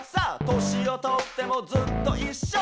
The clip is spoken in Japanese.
「年をとってもずっといっしょ」